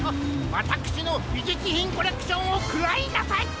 わたくしのびじゅつひんコレクションをくらいなさい！